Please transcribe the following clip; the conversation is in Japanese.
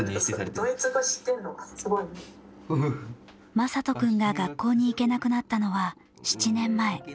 まさと君が学校に行けなくなったのは７年前。